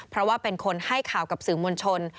เพราะว่าเป็นคนให้ข่าวกับสื่อมวลชน